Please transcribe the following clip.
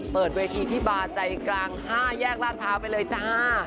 เปิดเวทีที่บาลใจกรรม๕แยกรานพาไปเลยจ้า